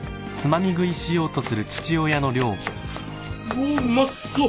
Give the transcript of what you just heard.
おうまそう！